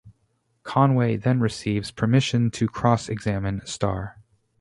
Conway then receives permission to cross-examine Starr.